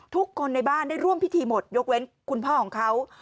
ทุกคนในบ้านได้ร่วมพิธีหมดยกเว้นคุณพ่อของเขา